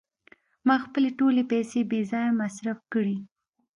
ما خپلې ټولې پیسې بې ځایه مصرف کړې.